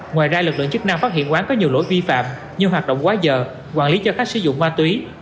ngoài ra lực lượng chức năng phát hiện quán có nhiều lỗi vi phạm như hoạt động quá giờ quản lý cho khách sử dụng ma túy